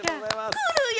来るよ！